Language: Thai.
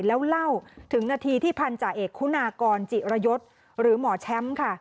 แล้วเล่าถึงนาทีที่พันธาเอกคุณากรจิระยศหรือหมอแชมป์ค่ะ